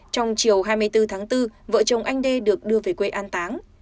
trong chiều hai mươi bốn tháng bốn vợ chồng anh đê được đưa về quê an táng